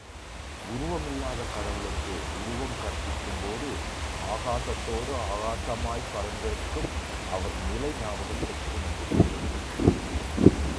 உருவம் இல்லாத கடவுளுக்கு உருவம் கற்பிக்கும் போது, ஆகாசத்தோடு ஆகாசமாய்ப் பரந்திருக்கும் அவர் நிலை ஞாபகத்திற்கு வந்திருக்கிறது.